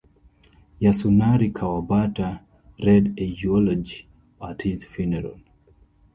Yasunari Kawabata read a eulogy at his funeral.